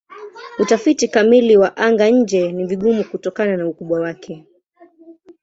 Utafiti kamili wa anga-nje ni vigumu kutokana na ukubwa wake.